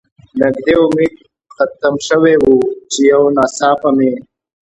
نږدې امید ختم شوی و، چې یو ناڅاپه مې.